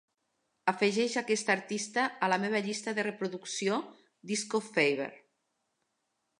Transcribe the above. afegeix aquest artista a la meva llista de reproducció "disco fever"